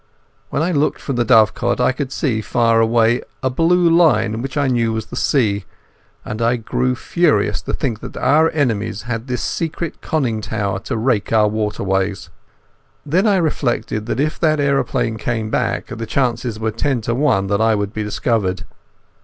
When I looked from the dovecot I could see far away a blue line which I knew was the sea, and I grew furious to think that our enemies had this secret conning tower to rake our waterways. Then I reflected that if that aeroplane came back the chances were ten to one that I would be discovered.